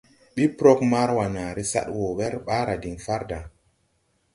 Ɓi prɔg Marwa nããre sad wɔ wɛr ɓaara diŋ farda.